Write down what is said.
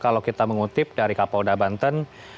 kalau kita mengutip dari kapolda banten